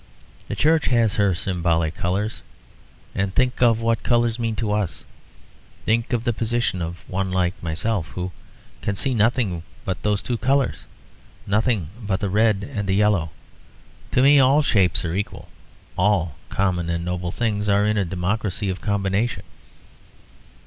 The Church has her symbolic colours. And think of what colours mean to us think of the position of one like myself, who can see nothing but those two colours, nothing but the red and the yellow. To me all shapes are equal, all common and noble things are in a democracy of combination.